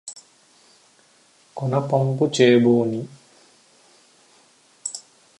గునపంబు చేబూని